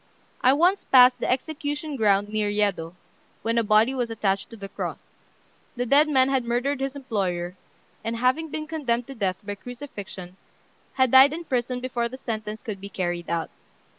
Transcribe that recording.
I once passed the execution ground near Yedo, when a body was attached to the cross. The dead man had murdered his employer, and, having been condemned to death by crucifixion, had died in prison before the sentence could be carried out.